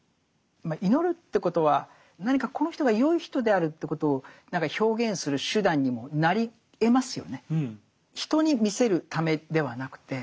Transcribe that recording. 祈るってことは何かこの人がよい人であるということを何か表現する手段にもなりえますよね。